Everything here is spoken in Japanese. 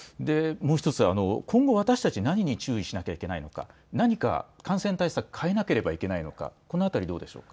今後、私たちは何に注意しなければいけないのか、何か感染対策を変えなければいけないのか、この辺りはどうでしょうか。